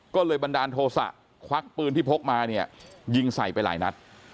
ก็เลยบันดาลโทษะควักปืนที่พกมาเนี่ยยิงใส่ไปหลายนัด